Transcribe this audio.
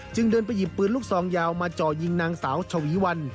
เดินไปหยิบปืนลูกซองยาวมาจ่อยิงนางสาวชวีวัน